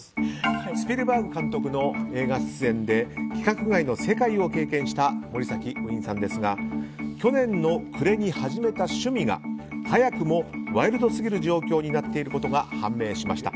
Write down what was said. スピルバーグ監督の映画出演で規格外の世界を経験した森崎ウィンさんですが去年の暮れに始めた趣味が早くもワイルドすぎる状況になっていることが判明しました。